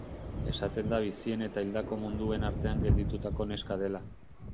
Esaten da bizien eta hildako munduen artean gelditutako neska dela.